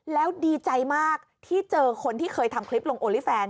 แล้วดีใจมากที่เจอคนที่เคยทำคลิปลงโอลี่แฟน